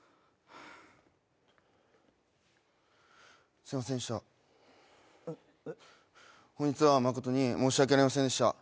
すみませんでした本日は誠に申し訳ありませんでした。